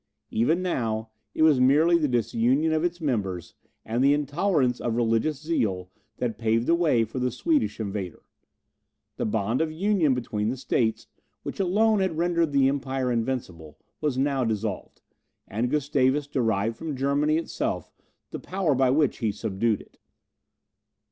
Even now, it was merely the disunion of its members, and the intolerance of religious zeal, that paved the way for the Swedish invader. The bond of union between the states, which alone had rendered the Empire invincible, was now dissolved; and Gustavus derived from Germany itself the power by which he subdued it.